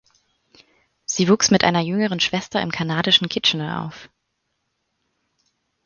Sie wuchs mit einer jüngeren Schwester im kanadischen Kitchener auf.